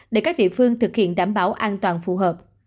để các địa phương thực hiện đảm bảo an toàn phù hợp